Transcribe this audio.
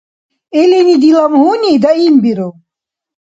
Илини дила гьуни даимбиру.